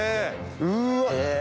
うわ。